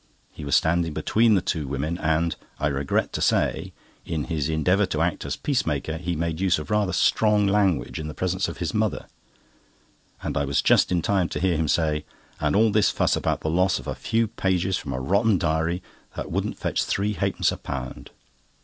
He was standing between the two women, and, I regret to say, in his endeavour to act as peacemaker, he made use of rather strong language in the presence of his mother; and I was just in time to hear him say: "And all this fuss about the loss of a few pages from a rotten diary that wouldn't fetch three halfpence a pound!"